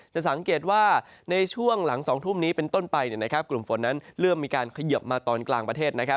จะสังเกตว่าในช่วงหลัง๒ทุ่มนี้เป็นต้นไปกลุ่มฝนนั้นเริ่มมีการเขยิบมาตอนกลางประเทศ